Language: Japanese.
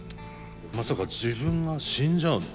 まさか自分が死んじゃうの？